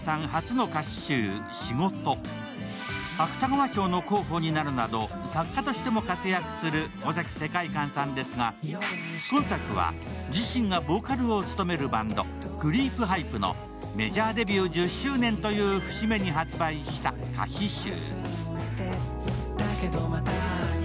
芥川賞の候補になるなど、作家としても活躍する尾崎世界観さんですが、今作は自身がボーカルを務めるバンドクリープハイプのメジャーデビュー１０周年という節目に発売した歌詞集。